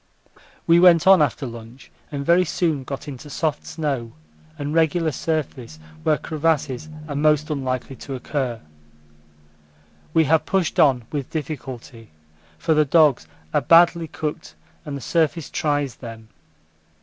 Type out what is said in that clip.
We went on after lunch, and very soon got into soft snow and regular surface where crevasses are most unlikely to occur. We have pushed on with difficulty, for the dogs are badly cooked and the surface tries them.